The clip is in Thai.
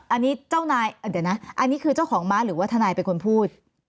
อันนี้เจ้านายเดี๋ยวนะอันนี้คือเจ้าของม้าหรือว่าทนายเป็นคนพูด